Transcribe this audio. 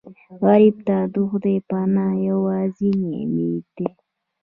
غریب ته د خدای پناه یوازینی امید وي